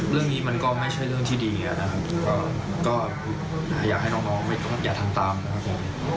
เรื่องนี้มันก็ไม่ใช่เรื่องที่ดีนะครับก็อยากให้น้องอย่าทำตามนะครับผม